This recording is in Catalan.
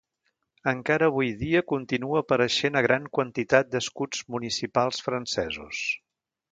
Encara avui dia continua apareixent a gran quantitat d'escuts municipals francesos.